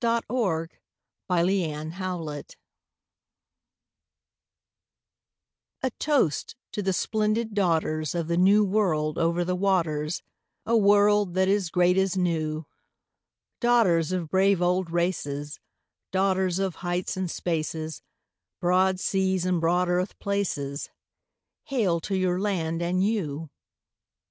TO THE WOMEN OF AUSTRALIA A toast to the splendid daughters Of the New World over the waters, A world that is great as new; Daughters of brave old races, Daughters of heights and spaces, Broad seas and broad earth places— Hail to your land and you!